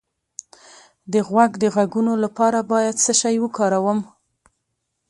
د غوږ د غږونو لپاره باید څه شی وکاروم؟